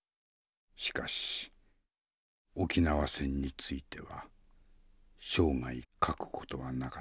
しかし沖縄戦については生涯書く事はなかった。